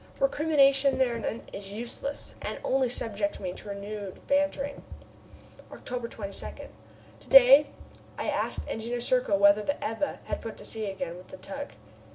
Recrimination thereanent is useless and only subjects me to renewed bantering. October 22. To day I asked Engineer Serko whether the Ebba had put to sea again with the tug.